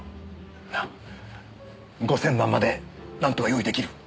なあ５０００万までなんとか用意出来る。